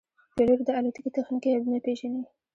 پیلوټ د الوتکې تخنیکي عیبونه پېژني.